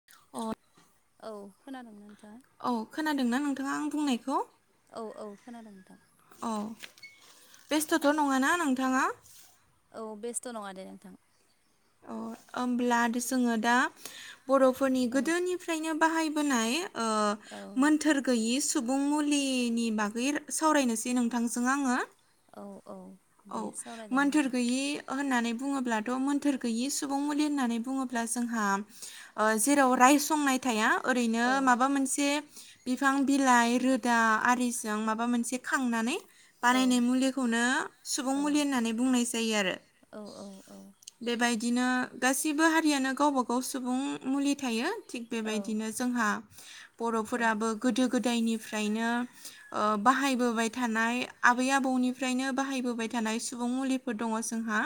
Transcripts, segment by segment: [inaudible] औ खोनादोंना नोंथाङा औ खोनादों ना नोंथाङा आं बुंनायखौ औ औ खोनादों नोंथां। अह बेस्थ'थ' नङाना नोंथाङा? औ बेस्थ' नङा दे नोंथां। अ ओमब्ला जोङो दा बर'फोरनि औ गोदोनि फ्रायनो बाहायबोनाय ओ औ मोनथोर गैयि सुबुं मुलिनि बागै सावरायनोसै नोंथांजों आंङो औ औ औ दे सावरायजागोन मोन्थोर नोंथां गैयि होननानै बुङोब्लाथ' मोनथोर गैयि सुबुं मुलि होननानै बुङोब्ला जोंहा ओ जेराव रायसंनाय थाया ओरैनो औ माबा मोनसे बिफां बिलाइ रोदा आरिजों माबा मोनसे खांनानै औ बानायनाय मुलिखौनो सुबुं औ मुलि होननानै बुंनाय जायो आरो औ बेबायदिनो गाससिबो हारियानो गावबा गाव सुबुं मुलि थायो थिग बेबायदिनो जोंहा औ बर'फोराबो गोदो गोदायनिफ्रायनो ओ बाहायबोबाय थानाय आबै-आबौनिफ्रायनो बाहायबोबाय थानाय सुबुं मुलिफोर दङ जोंहा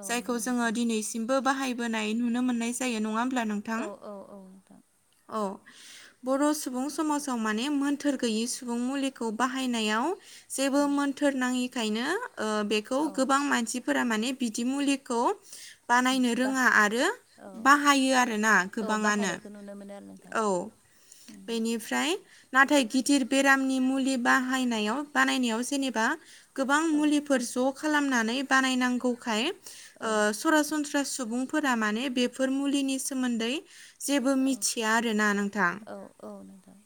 औ दङ जायखौ जोङो नोंथां दिनैसिम बो बाहायबोनाय नुनो मोननाय जायो नङा होमब्ला नों औ औ औ नोंथां औ बर' सुबुं समाजाव माने मोन्थोर गैयि सुबुं मुलिखौ बाहायनायाव औ जेबो मोन्थोर नाङिखायनो ओ बेखौ औ गोबां मानसि फोरा माने बिदि मुलिखौ बानायनो बा रोंङा आरो औ बाहायो आरोना औ गोबांङानो बाहायनायखौ नुनो मोनो आरो नोंथां औ उम बेनि फ्राय नाथाय गिदिर बेरामनि मुलि बाहायनायाव बानायनायाव जेनेबा गोबां औ मुलिफोर ज' खालामनानै बानायनांगौखाय औ ओ सरासनस्रा सुबुंफोरा माने बेफोर मुलिनि सोमोन्दै जेबो थिआ आरोना नोंथां औ औ नोंथां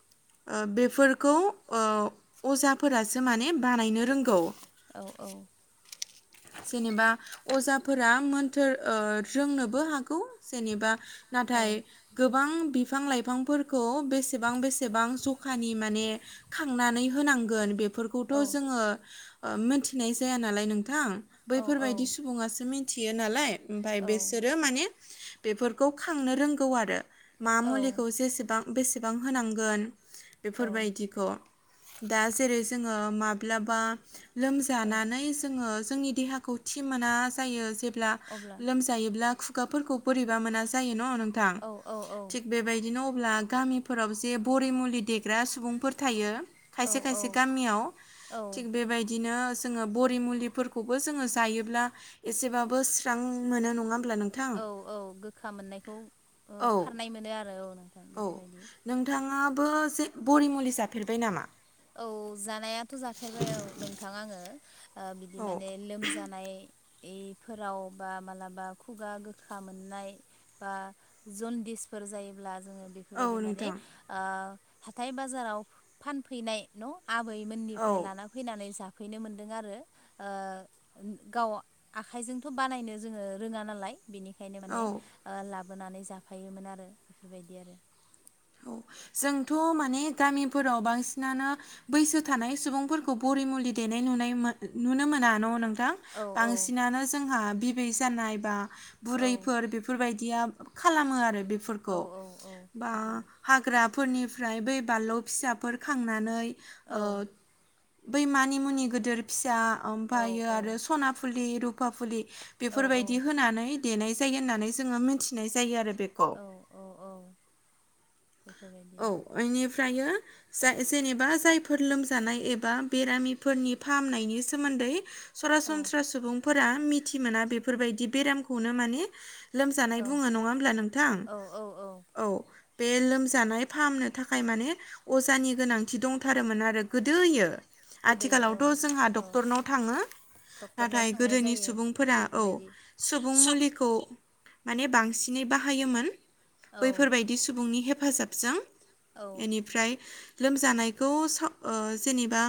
ओ बेफोरखौ ओ अजाफोरासो माने बानायनो रोंगौ औ औ जेनेबा अजाफोरा मोन्थोर ओ रोंनोबो हागौ जेनेबा औ नाथाय गोबां बिफां लाइफांफोरखौ बेसेबां बेसेबां जखानि माने खांनानै होनांगोन बेफोर खौथ' औ जोंङो मिथिनाय जाया नालाय नोंथां औ बैफोरबायदि सुबुंआसो मि थियो नालाय ओमफाय बिसोरो माने बेफोरखौ खांनो रोंगौ आरो मा औ मुलिखौ जेसेबां बेसेबां होनांगोन औ बेफोरबायदिखौ दा जेरै जोंङो माब्लाबा औ लोमजानानै जोंङो जोंनि देहाखौ थि मोना जायो जेब्ला अब्ला लोमजा जायोब्ला खुगाफोरखौ बोरैबा मोना जायो न' नोंथां औ औ औ औ थिग बेबायदिनो अब्ला गामिफोराव जे बरि मुलि देग्रा सुबुंफोर थायो खायसे खायसे औ गामियाव औ थिग बेबायदिनो जोंङो बरि मुलिफोरखौ खौबो जोङो जायोब्ला एसेबाबो स्रां मोनो नङा होमब्ला नों औ औ गोखा मोननायखौ औ खारनाय मोनो आरो औ नोंथां बेफोरबायदि नोंथांङाबो जे बरि मुलि जाफेरबाय नामा? औ जानायाथ' जाफेरबाय औ नोंथां आङो ओ बिदि औ माने लोमजानायफोराव बा मालाबा खुगा गोखा मोननाय बा जनदिसफोर जायोब्ला जोङो बे औ बेफोरबायदि माने नोंथां ओ हाथाय बाजाराव फैनाय न' आबैमोननिफ्राय औ लाना फैनानै जाफैनो मोनदों आरो ओ गाव आखाइजोंथ' बानायनो जोङो रोङा नालाय बिनिखायनो माने औ ओ लाबोनानै जाफायोमोन आरो बेफोरबायदि आरो औ जोंथ' माने गामिफोराव बांसिनानो बैसो थानाय सुबुंफोरखौ बरिमुलि देनाय नुनाय नुनो मोना न' नों थां औ बांसिनानो जोंहा बिबै जानाय बा औ बुरैफोर बे फोरबायदिया खालामो आरो औ बेफोरखौ औ औ बा बेफोर हाग्राफोरनिफ्राय बै बानलु फिसाफोर खांनानै ओ औ बै मानि मुनि गोदोर फिसा औ ओमफ्रायो आरो सना फुलि रुफा फुलि औ बेफोरबायदि होनानै देनाय जायो होननानै जोङो मिथिनाय जायो आरो बेखौ औ औ औ औ बेफोरबायदिनो बेनिफ्रायो जाय जेनेबा जायफोर लोमजानाय एबा बेरामिफोरनि फाहामनायनि सोमोन्दै औ सरासनस्रा सुबुंफोरा मिथि मोना बेफोरबायदि बेरामखौनो माने लोमजानाय औ बुङो नङा होमब्ला नोंथां औ औ औ बे लोमजानाय फाहामनो थाखाय माने अजानि गोनांथि दंथारोमोन आरो गोदोयो गोदोयो आथिखालावथ' औ जोंहा औ डक्टरनाव थाङो डक्टरनियाव नाथाय थांनाय गोदोनि जायो सुबुंफोरा औ बेफोरबायदि सुबुं मुलिखौ माने बांसिनै बाहायोमोन औ बैफोरबायदि सुबुंनि हेफाजाबजों औ बेनिफ्राय लोमजानायखौ स ओ जेनेबा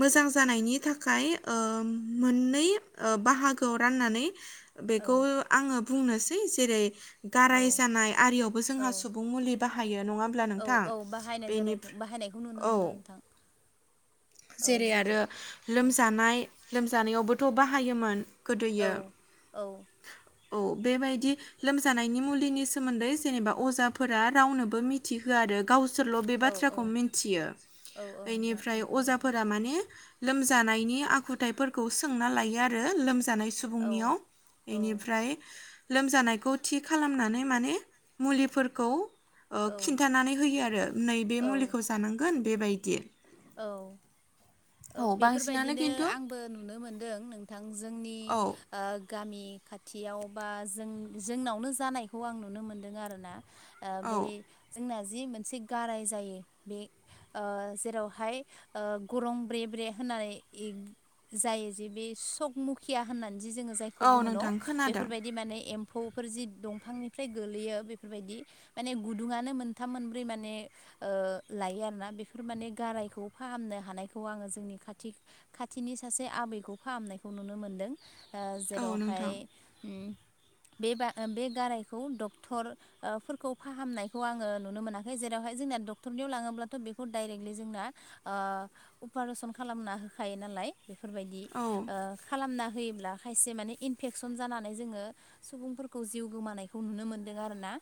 मोजां जानायनि थाखाय ओ मोननै ओ बाहागोआव राननानै औ बेखौ आङो बुंनोसै जेरै औ गाराय जानाय आरियावबो जोंहा औ सु सुबुं मुलि बाहायो नङा होमब्ला औ नोंथां औ बाहायनाय जानायखौ बाहायनायखौ नुनो बेनिफ्राय औ मोनो नोंथां जेरै आरो औ लोमजानाय लोमजानायावबोथ' बाहायोमोन औ गोदोयो औ औ बेबायदि लोमजानायनि मुलिनि सोमोन्दै जेनेबा अजाफोरा रावनोबो मि मिथि होआ आरो गावसोरल' बे औ बाथ्राखौ मिथियो औ औ नोंथां बेनिफ्राय अजा बेफोरबायदि माने लोमजानायनि आखुथायफोरखौ सोंना लायो आरो लोमजानाय औ सुबुंनियाव औ बेनिफ्राय लोमजानायखौ थि खालामनानै माने मुलिफोरखौ ओ औ खिन्थानानै होयो आरो नैबे औ मुलिखौ जानांगोन बेबायदि औ औ बांसिनानो बेफोरबायदिनो खिन्थु आंबो नुनो मोनदों नोंथां जोंनि औ ओ गामि खाथियाव बा जों जोंनावनो जानायखौ आं नुनो मोनदों आरोना ओ औ बै जोंना जि मोनसे गाराय जायो बे ओ जेरावहाय ओ गरम ब्रे ब्रे होनानै जायो जे बे सकमुखिया होननानै जे जोङो जाय खौ औ बुङो नोंथां न' खोनादों बेफोरबायदि माने एम फौफोर जि दंफांनिफ्राय गोलैयो बेफोरबायदि माने गुदुङानो मोनथाम मोनब्रै माने ओ लायो आरोना बेफोर माने गारायखौ फाहामनो हानायखौ खौ आङो जोंनि खाथि खाथिनि सासे आबैखौ फाहामनायखौ नुनो मोनदों ओ औ जेरावहाय नोंथां उम बे बा बे गारायखौ डक्टर ओ फोरखौ फाहामनायखौ आङो नुनो मोनाखै जेरावहाय जोंना डक्टरनियाव लाङोब्लाथ' बेखौ डायरेक्टलि जोंना ओ अपारेशन खालामना होखायो नालाय बेफोरबायदि औ ओ खालामना होयोब्ला खायसे माने इनफेकसन जानानै जोङो सुबुंफोरखौ जिउ गोमानायखौ नुनो मोनदों आरोना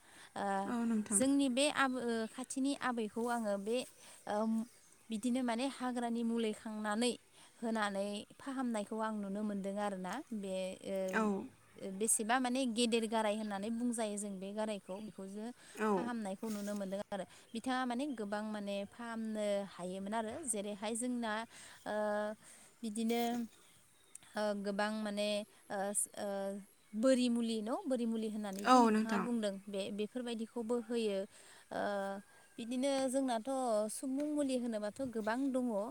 ओ औ नोंथां जोंनि बे आब ओ खाथि थिनि आबैखौ आङो बे ओ बिदिनो माने हाग्रानि मुलि खांनानै होनानै फाहामनायखौ आं नुनो मोन्दों आरो ना। बे ओ औ ओ बेसेबा माने गेदेर गाराय होननानै बुंजायो जों बे गारायखौ बेखौ जो औ फाहामनायखौ नुनो मोनदों आ आरो बिथाङा माने गोबां माने फाहामनो हायोमोन आरो जेरै हाय जोंना ओ बिदिनो ओ गोबां माने ओ ओ बोरि मुलि न' बोरि मुलि होनना नै औ जि नोंथाङा नोंथां बुंदों बे बेफोरबायदिखौबो होयो। ओ बिदिनो जोंनाथ' सुबुं मुलि होनोबाथ' गोबां दङो ओ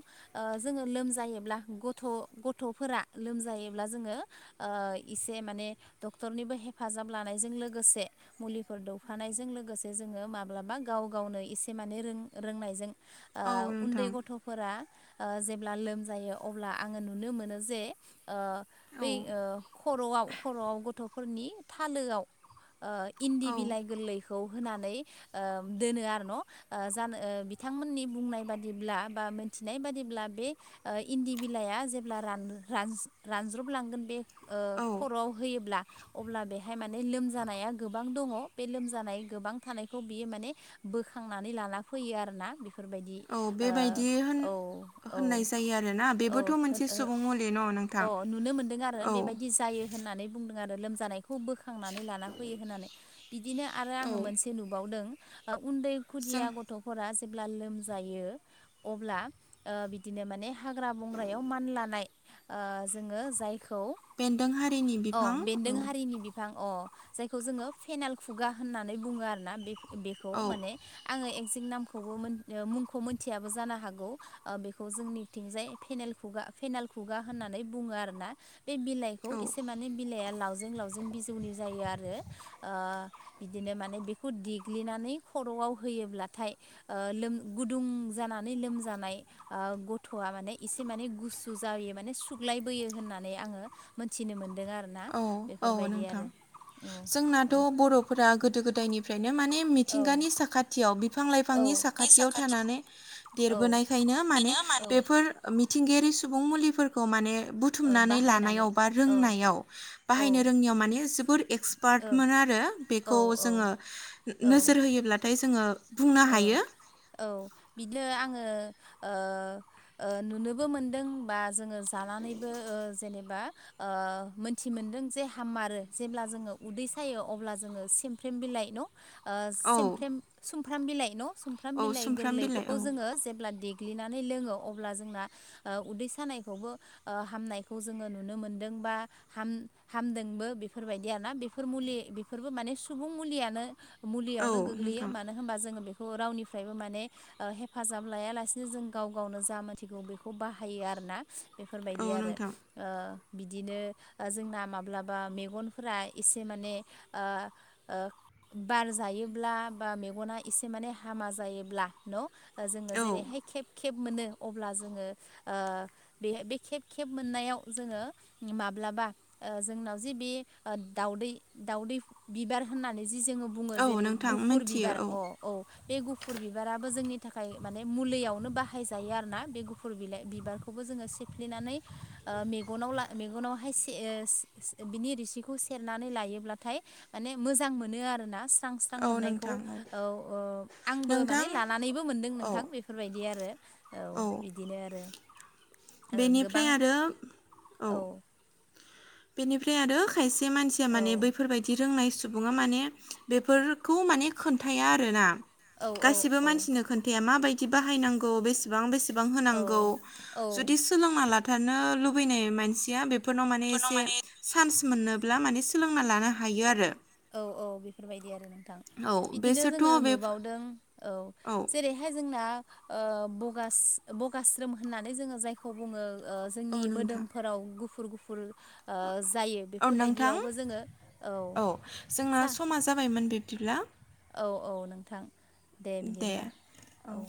जोङो लोमजायोब्ला गथ' गथ'फोरा लोमजायोब्ला जोङो ओ इसे माने डक्टरनिबो हेफाजाब लानायजों लोगोसे मुलिफोर दौफानायजों लोगोसे जोङो माब्लाबा गाव गावनो माने रों रोंनायजों ओ औ उन्दै नोंथां गथ'फोरा ओ जेब्ला लोमजायो अब्ला आङो नुनो मोनो जे ओ औ बै ओ खर'आव खर'आव गथ'फोरनि थालोआव ओ इन्दि बिलाइ गोरलै खौ होनानै ओ दोनो आरो न' ओ जानो ओ बिथांमोननि बुंनाय बादिब्ला बा मोनथिनाय बादिब्ला बे ओ इन्दि बिलाइआ जेब्ला रान रान रानज्रबलांगोन बे ओ औ खर'आव होयोब्ला अब्ला बेहाय माने लोमजानाया गोबां दङ बे लोमजानाय गोबां थानायखौ बियो माने बोखांनानै लाना फैयो आरोना बेफोरबायदि औ बेबायदि ओ होन औ औ होननाय जायो आरोना औ बेबोथ' मोनसे सुबुं मुलि न' नोंथां ओ अ नुनो मोनदों आरो औ बेबायदि दि जायो होननानै बुंदों आरो लोमजानायखौ बोखांनानै लाना फैयो होननानै बिदिनो आरो औ आङो मोनसे नुबावदों उन्दै जों खुदिया गथ'फोरा लोमजायो अब्ला बिदिनो ओ माने हाग्रा बंग्रायाव मानलानाय ओ जोङो जायखौ बेन्दों हारिनि अ बिफां औ बेन्दों हारिनि बिफ फां अ जायखौ जोङो फेनाल खुगा होननानै बुङो आरो ना बे-बेखौ औ माने आङो एगजेक्ट नामखौबो मोन ओ मुंखौ मोनथिया बो जानो हागौ बेखौ जोंनिथिंजाय फेनेल खुगा फेनेल खुगा होननानै बुङो आरोना। बे बिलाइखौ औ एसे माने बिलाइआ लावजें-लावजें बिजौनि जायो आरो ओ बिदिनो माने बेखौ देग्लिनानै खर'आव होयोब्लाथाय लोम गुदुं जानानै लोमजानाय ओ गथ'आ माने इसे माने गुसु जायो माने सुग्लायबोयो होननानै आङो मोनथिनो मोन्दों आरो। औ औ नोंथां औ जोंनाथ' बर' फोरा गोदो गोदायनिफ्रायनो माने औ मिथिंगानि साखाथियाव बिफां लाइफांनि साखाथियाव थानानै औ देरबोनायखायनो माने औ बेफोर मिथिंगायारि सुबुं मुलिफोरखौ माने औ बुथुमनानै बाहायनानै लानायाव बा औ रोंनायाव औ ओ बाहायनो रोंनायाव माने जोबोर एक्सपार्ट मोन आरो औ बेखौ औ जोङो नोजोर होयोब्लाथाय जोङो बुंनो ओं हायो औ बिदिनो आङो ओ ओ नुनोबो मोनदों बा जोङो जानानैबो ओ जेनेबा ओ मोनथिमोनदों जे हाममारो जेब्ला जोङो उदै सायो अब्ला जोङो सेमफ्रेम बिलाइ न'? ओ औ सेमफ्रेम सुमफ्राम बिलाइ न' सुमफ्राम औ बिलाइ सुमफ्राम बिलाइ गोरलैखौ औ जोङो जेब्ला देग्लिनानै लोङो अब्ला जोंना उदै सानायखौबो हामनायखौ जोङो नुनो मोनदों बा हाम-हामदोंबो बेफोरबायदिआ ना बेफोर मुलि बेफोरबो माने सुबुं मुलियानो औ मुलियावनो गोग्लैयो नोंथां मानो होनबा जोङो बेखौ रावनिफ्रायबो माने हेफाजाब लायालासिनो जों गाव गावनो जा मोनथिगौ बेखौ बाहायो आरोना। औ बेफोरबायदि आरो। नोंथां बिदिनो जोंना माब्लाबा मेगनफोरा एसे माने बार जायोब्ला बा मे गना एसे माने हामा जायोब्ला न' जोङो औ जेरैहाय खेब खेब मोनो अब्ला जोङो बे बे खेब खेब मोननायाव जोङो नि माब्लाबा जोंनाव जि बि दाउदै दाउदै बिबार होननानै जि जोङो बुङो औ जेरै नोंथां गुफुर मोनथियो बिबार अ औ बे गुफुर बिबाराबो जोंनि थाखाय माने मुलैयावनो बाहायजायो आरोना बे गुफुर बिलाइ बिबारखौ खौबो जोङो सेफ्लिनानै मेगनाव ला मेगनावहाय से बिनि रिसिखौ सेरनानै लायोब्लाथाय माने मोजां मोनो आरोना। स्रां स्रां औ मोननायखौ नोंथां औ औ आंबो माने नोंथां लानानैबो मोनदों औ नोंथां बेफोरबायदि आरो। औ औ बिदिनो आरो ओ गोबां बेनिफ्राय आरो औ। बेनिफ्राय आरो खायसे मानसिया औ माने बैफोरबाय दि रोंनाय सुबुङा माने बेफोरखौ माने खोन्थाया आरोना। औ औ गासिबो मानसिनो खोन मा बायदि बाहाय नांगौ बेसेबां बेसेबां औ होनांगौ औ जुदि सोलोंना लाथारनो लुबैनाय मानसिया बेफोरनाव माने चान्स मोनोब्ला माने सोलोंना लानो हायो आरो। औ - औ बेफोरबायदि आरो नोंथां औ बिदिनो जोङो बेसोरथ' बे नुबावदों औ जेरैहाय जोंना ओ‌ बगास बगास्रोम होननानै जोङो जायखौ बुङो। ओ औ जोंनि नोंथां मोदोमफोराव गुफुर - गुफुर ओ जायो औ नोंथां बेफोरबायदियावबो जोङो औ जोंना सा समा जाबायमोन बिब्दिब्ला। औ औ नोंथां दे बिदिब्ला औ।